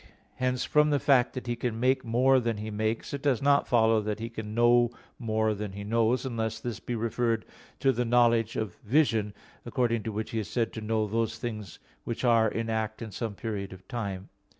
Hence from the fact that He can make more than He makes, it does not follow that He can know more than He knows, unless this be referred to the knowledge of vision, according to which He is said to know those things which are in act in some period of time.